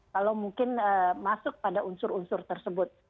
kalau mungkin masuk pada unsur unsur tersebut